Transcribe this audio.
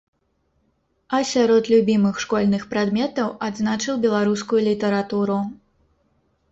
А сярод любімых школьных прадметаў адзначыў беларускую літаратуру.